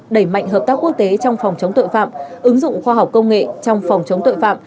đẩy mạnh hợp tác quốc tế trong phòng chống tội phạm ứng dụng khoa học công nghệ trong phòng chống tội phạm